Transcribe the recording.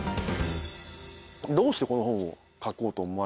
どうしてこの本を書こうと思われたんですか？